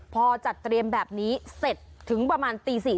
พอจัดเตรียมแบบนี้เสร็จถึงประมาณตี๔